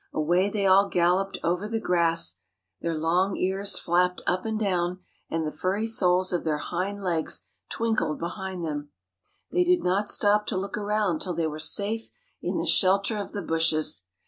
Away they all galloped over the grass. Their long ears flapped up and down, and the furry soles of their hind legs twinkled behind them. They did not stop to look around till they were safe in the shelter of the bushes.